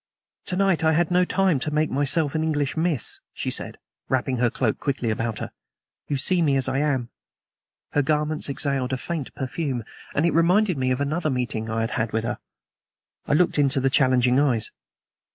"To night I had no time to make myself an English miss," she said, wrapping her cloak quickly about her. "You see me as I am." Her garments exhaled a faint perfume, and it reminded me of another meeting I had had with her. I looked into the challenging eyes.